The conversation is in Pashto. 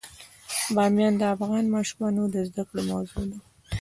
بامیان د افغان ماشومانو د زده کړې موضوع ده.